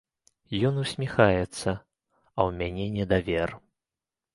Ён усміхаецца, а ў мяне недавер.